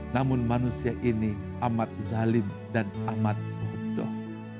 namun manusia ini amat zalim dan amat bodoh